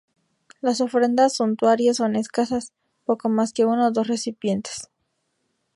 Las ofrendas suntuarias son escasas, poco más que uno o dos recipientes.